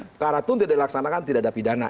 perkaratun tidak dilaksanakan tidak ada pidana